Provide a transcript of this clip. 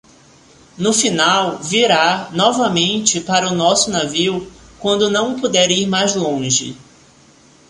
No final, virá, novamente, para o nosso navio, quando não puder ir mais longe.